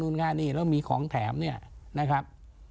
แล้วมีของแถมเนี่ยนะครับ